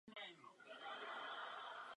Malé a střední podniky zažívají těžké časy.